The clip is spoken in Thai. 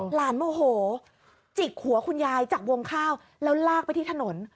โมโหจิกหัวคุณยายจากวงข้าวแล้วลากไปที่ถนน